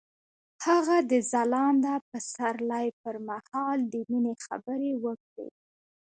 هغه د ځلانده پسرلی پر مهال د مینې خبرې وکړې.